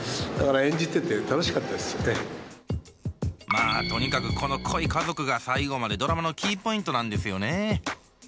まあとにかくこの濃い家族が最後までドラマのキーポイントなんですよね。